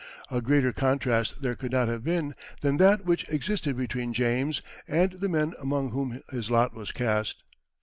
A greater contrast there could not have been than that which existed between James and the men among whom his lot was cast.